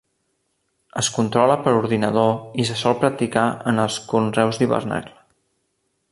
Es controla per ordinador i se sol practicar en els conreus d'hivernacle.